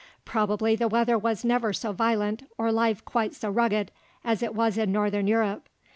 Probably the weather was never so violent or life quite so rugged as it was in northern Europe.